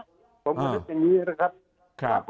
ผมก็นึกอย่างนี้นะครับ